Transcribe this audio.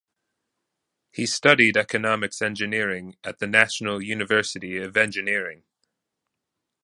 He studied economics engineering at the National University of Engineering.